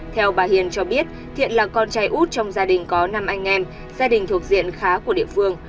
theo bà hiền cho biết thiện là con trai út trong gia đình có năm anh em gia đình thuộc diện khá của địa phương